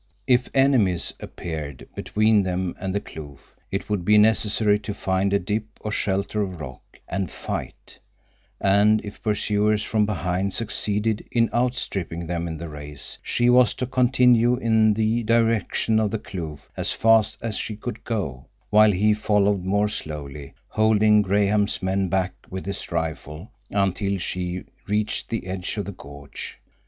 If enemies appeared between them and the kloof, it would be necessary to find a dip or shelter of rock, and fight; and if pursuers from behind succeeded in out stripping them in the race, she was to continue in the direction of the kloof as fast as she could go, while he followed more slowly, holding Graham's men back with his rifle until she reached the edge of the gorge.